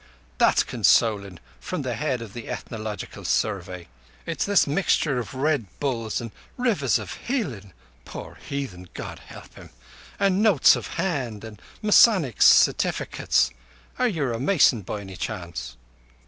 "That's consolin'—from the head of the Ethnological Survey. It's this mixture of Red Bulls and Rivers of Healing (poor heathen, God help him!) an' notes of hand and Masonic certificates. Are you a Mason, by any chance?"